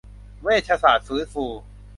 เวชศาสตร์ฟื้นฟู